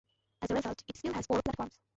As a result, it still has four platforms.